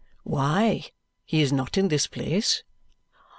"Why, he is not in this place."